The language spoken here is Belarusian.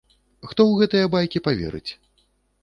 Хто ў гэтыя байкі паверыць?